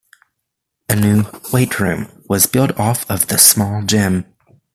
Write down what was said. A new weight room was built off of the small gym.